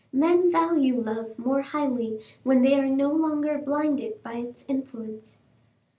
Men value love more highly when they are no longer blinded by its influence."